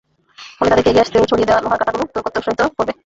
ফলে তাদেরকে এগিয়ে আসতে ও ছড়িয়ে দেয়া লোহার কাঁটাগুলো দূর করতে উৎসাহিত করবে।